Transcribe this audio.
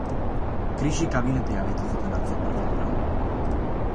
Krisi kabinetea deitu zuten atzo prefeturan.